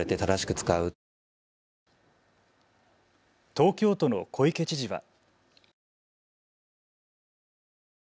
東京都の小池知事は。